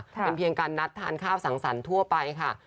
เป็นเพียงการนัดทานข้าวสังสรรค์ทั่วไปค่ะ